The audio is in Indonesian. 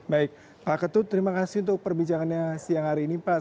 baik pak ketut terima kasih untuk perbincangannya siang hari ini pak